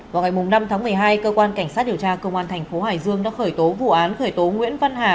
vào ngày năm tháng một mươi hai cơ quan cảnh sát điều tra công an thành phố hải dương đã khởi tố vụ án khởi tố nguyễn văn hà